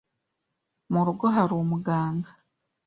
Mu rugo hari umuganga?